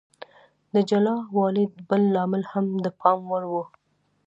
د جلا والي بل لامل هم د پام وړ و.